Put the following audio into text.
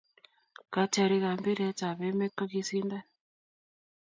katjarik ab mpiret ab emet kokikisindan